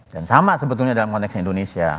dan sama sebetulnya dalam konteks indonesia